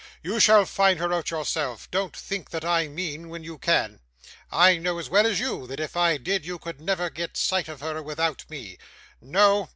'You shall find her out yourself. Don't think that I mean, when you can I know as well as you that if I did, you could never get sight of her without me. No.